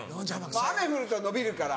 雨降ると伸びるから。